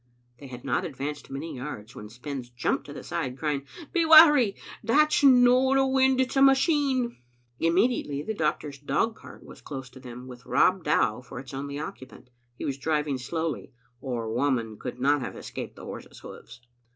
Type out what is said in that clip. They had not advanced many yards when Spens jumped to the side, crying, "Be wary, that's no the wind; it's a machine!" Immediately the doctor's dogcart was close to them, with Rob Dow for its only occupant. He was driving slowly, or Whamond could not have escaped the horse's hoofs.